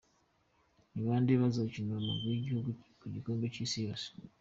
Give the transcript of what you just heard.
Ni bande bazokinira umugwi w'igihugu mu gikombe c'isi yose? .